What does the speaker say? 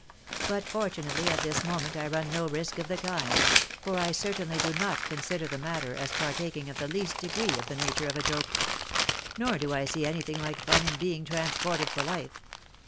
" But fortunately at this moment I run no risk of the kind ; for I certainly do not consider the matter as partaking of the least degree of the nature of a joke. Nor do I see anything like fun in being transported for life."